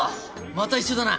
また一緒だな。